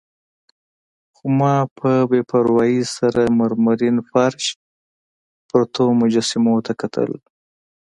خو ما په بې پروايي سره مرمرین فرش، پرتو مجسمو ته کتل.